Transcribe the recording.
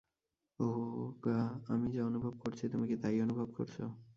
ওহগা, আমি যা অনুভব করছি তুমি কি তাই অনুভব করছো?